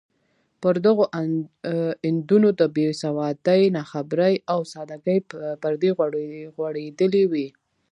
پر دغو اندونو د بې سوادۍ، ناخبرۍ او سادګۍ پردې غوړېدلې وې.